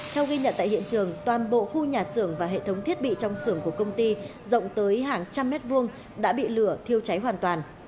theo ghi nhận tại hiện trường toàn bộ khu nhà xưởng và hệ thống thiết bị trong xưởng của công ty rộng tới hàng trăm mét vuông đã bị lửa thiêu cháy hoàn toàn